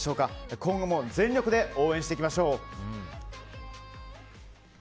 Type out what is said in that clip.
今後も全力で応援していきましょう。